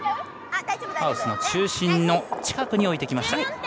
ハウスの中心の近くに置いてきました。